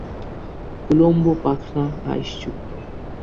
উলম্ব পাখনা আঁইশযুক্ত।